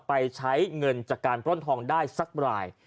ไปใช้เงินจากการปล้นทองได้สักราย